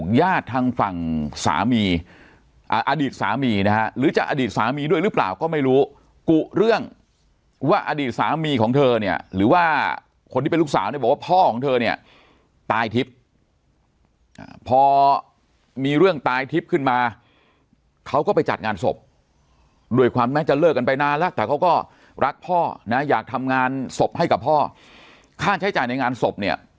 ญาติทางฝั่งสามีอดีตสามีนะฮะหรือจะอดีตสามีด้วยหรือเปล่าก็ไม่รู้กุเรื่องว่าอดีตสามีของเธอเนี่ยหรือว่าคนที่เป็นลูกสาวเนี่ยบอกว่าพ่อของเธอเนี่ยตายทิพย์พอมีเรื่องตายทิพย์ขึ้นมาเขาก็ไปจัดงานศพด้วยความแม้จะเลิกกันไปนานแล้วแต่เขาก็รักพ่อนะอยากทำงานศพให้กับพ่อค่าใช้จ่ายในงานศพเนี่ย